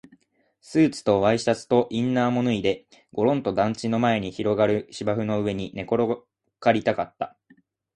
スーツとワイシャツとインナーも脱いで、ごろんと団地の前に広がる芝生の上に寝転がりたかった